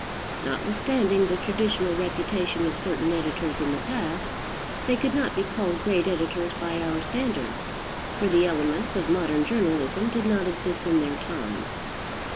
Notwithstanding the traditional reputation of certain editors in the past, they could not be called great editors by our standards; for the elements of modern journalism did not exist in their time.